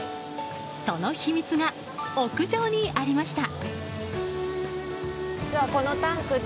その秘密が屋上にありました。